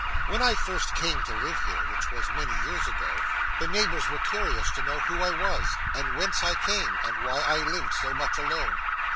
When I first came to live here, which was many years ago, the neighbours were curious to know who I was, and whence I came, and why I lived so much alone.